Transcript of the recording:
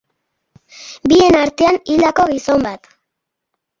Bien artean, hildako gizon bat.